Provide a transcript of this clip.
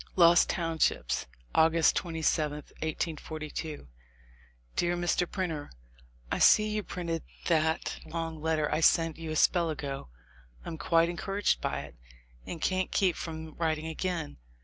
Lost Townships, August 27, 1842. Dear Mr. Printer, I see you printed that long letter I sent you a spell ago. I'm quite encouraged by it, and can't keep from writing again.